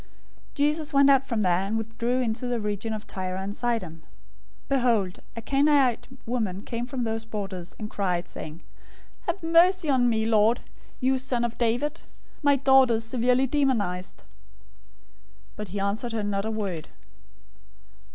015:021 Jesus went out from there, and withdrew into the region of Tyre and Sidon. 015:022 Behold, a Canaanite woman came out from those borders, and cried, saying, "Have mercy on me, Lord, you son of David! My daughter is severely demonized!" 015:023 But he answered her not a word.